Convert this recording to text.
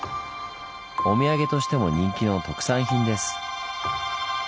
お土産としても人気の特産品です。